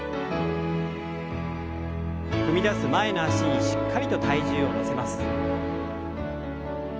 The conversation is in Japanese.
踏み出す前の脚にしっかりと体重を乗せます。